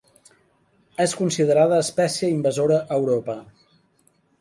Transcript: És considerada espècie invasora a Europa.